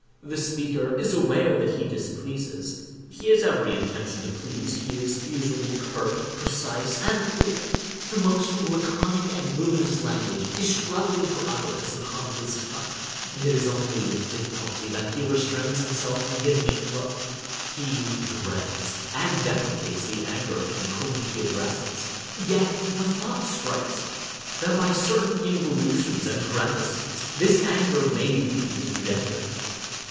The speaker is aware that he displeases; he has every intention to please, he is usually curt, precise, and clear; the most laconic and luminous language is struggling for utterance upon his tongue; it is only with difficulty that he restrains himself from giving it flow; he dreads and deprecates the anger of him whom he addresses; yet, the thought strikes him, that by certain involutions and parentheses this anger may be engendered.